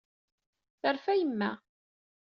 Terfa yemma.